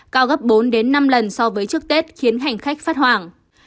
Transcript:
cao gấp bốn năm lần so với trước tết khiến hành khách phát hoảng